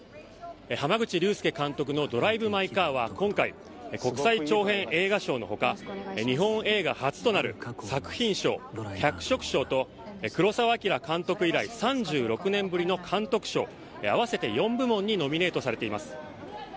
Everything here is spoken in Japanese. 濱口竜介監督のドライブ・マイ・カーは今回、国際長編映画賞のほか、日本映画初となる作品賞、脚色賞と、黒澤明監督以来、３６年ぶりの監督賞、合わせて４部門にノミネートされています。